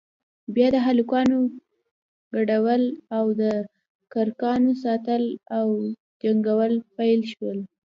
بيا د هلکانو گډول او د کرکانو ساتل او جنگول پيل سول.